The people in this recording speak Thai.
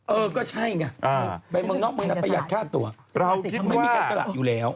เออก็ใช่ไงไปเมืองนอกเมืองน่ะไปอยากฆ่าตัว